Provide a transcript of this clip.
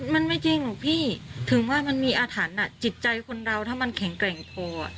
มันไม่จริงหรอกพี่ถึงว่ามันมีอาถรรพ์จิตใจคนเราถ้ามันแข็งแกร่งพอ